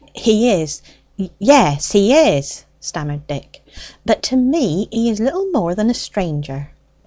"He is; yes, he is," stammered Dick; "but to me he is little more than a stranger."